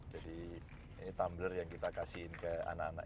jadi ini tumbler yang kita kasihin ke anak anak